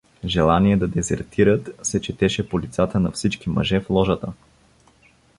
Желание да дезертират се четеше по лицата на всички мъже в ложата.